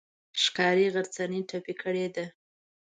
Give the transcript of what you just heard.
ښکاري غرڅنۍ ټپي کړې ده.